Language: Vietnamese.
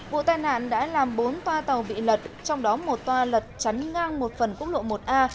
vụ tai nạn đã làm bốn toa tàu bị lật trong đó một toa lật chắn ngang một phần quốc lộ một a